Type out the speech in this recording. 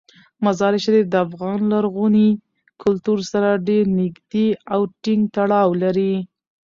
مزارشریف د افغان لرغوني کلتور سره ډیر نږدې او ټینګ تړاو لري.